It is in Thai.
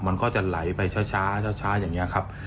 มันก็จะไหลไปช้าช้าช้าช้าอย่างเงี้ยครับ